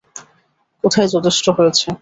কোথায় যথেষ্ট হয়েছে।